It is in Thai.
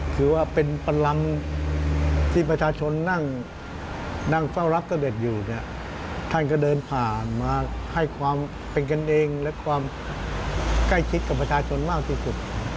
ถือว่าเป็นประลำที่ประชาชนนั่งเฝ้ารับเสด็จอยู่เนี่ยท่านก็เดินผ่านมาให้ความเป็นกันเองและความใกล้ชิดกับประชาชนมากที่สุด